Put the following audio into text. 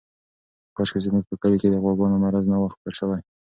کاشکې زموږ په کلي کې د غواګانو مرض نه وای خپور شوی.